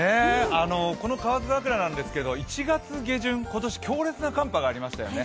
この河津桜なんですけど１月下旬今年強烈な寒波がありましたよね。